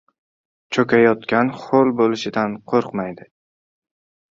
• Cho‘kayotgan ho‘l bo‘lishdan qo‘rqmaydi.